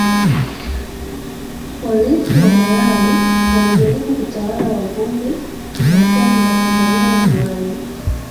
polisi wa malawi walijaribu kutawala wavuvi na feri za tanzania ziwani